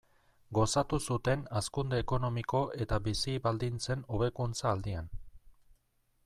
Gozatu zuten hazkunde ekonomiko eta bizi-baldintzen hobekuntza aldian.